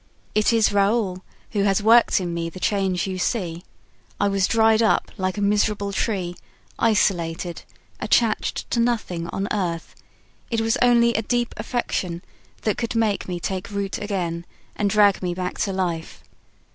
It is Raoul who has worked in me the change you see; I was dried up like a miserable tree, isolated, attached to nothing on earth; it was only a deep affection that could make me take root again and drag me back to life.